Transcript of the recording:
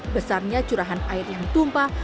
besarnya curahan air yang tumpah